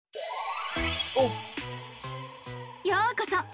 ようこそ！